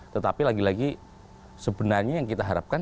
tetapi lagi lagi sebenarnya yang kita harapkan